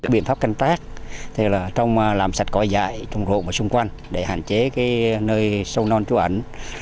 biện pháp canh tác thì là trong làm sạch cõi dại trùng rộng ở xung quanh để hạn chế nơi sâu non trú ẩn